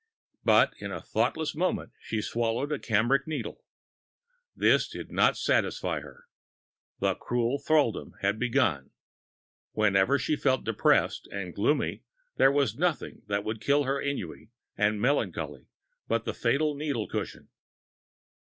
But in a thoughtless moment she swallowed a cambric needle. This did not satisfy her. The cruel thraldom had begun. Whenever she felt depressed and gloomy, there was nothing that would kill her ennui and melancholy but the fatal needle cushion.